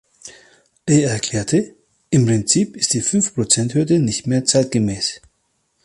Er erklärte: „Im Prinzip ist die Fünf-Prozent-Hürde nicht mehr zeitgemäß.